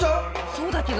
そうだけど。